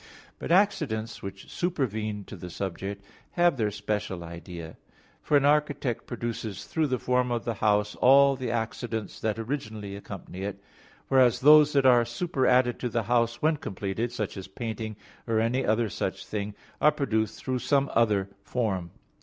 But accidents which supervene to the subject, have their special idea. For an architect produces through the form of the house all the accidents that originally accompany it; whereas those that are superadded to the house when completed, such as painting, or any other such thing, are produced through some other form.